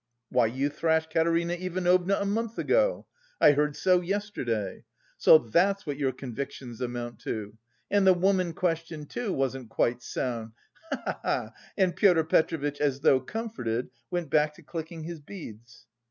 "Why, you thrashed Katerina Ivanovna a month ago. I heard so yesterday... so that's what your convictions amount to... and the woman question, too, wasn't quite sound, he he he!" and Pyotr Petrovitch, as though comforted, went back to clicking his beads.